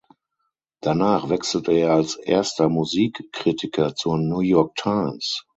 Danach wechselte er als Erster Musikkritiker zur "New York Times".